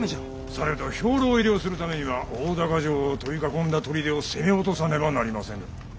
されど兵糧入れをするためには大高城を取り囲んだ砦を攻め落とさねばなりませぬ。